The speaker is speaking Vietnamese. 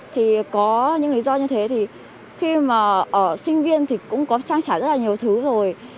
thì có những lý do như thế thì khi mà ở sinh viên thì cũng có trang trải rất là nhiều thứ rồi